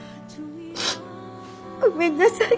ごめんなさい。